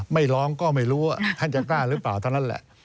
ไม่ร้องก็ไม่รู้ว่าท่านจะกล้าหรือเปล่าเท่านั้นแหละ